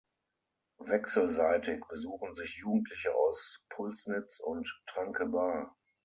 Wechselseitig besuchen sich Jugendliche aus Pulsnitz und Tranquebar.